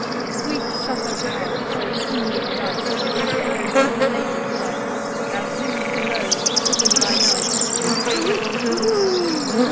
OWEET Suffolk owl, so trimly dight With feathers like a lady bright, Thou sing'st alone, sitting by night, Te whit, te whoo